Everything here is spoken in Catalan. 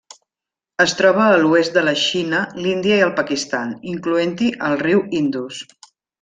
Es troba a l'oest de la Xina, l'Índia i el Pakistan, incloent-hi el riu Indus.